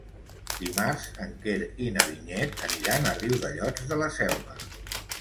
Dimarts en Quer i na Vinyet aniran a Riudellots de la Selva.